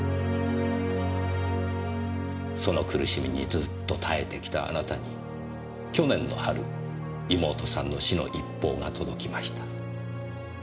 その苦しみにずっと耐えてきたあなたに去年の春妹さんの死の一報が届きました。